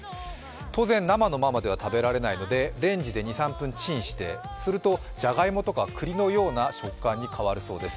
当然、生のままでは食べられないので、レンジで２３分チンしてするとじゃがいもとか栗のような食感に変わるそうです。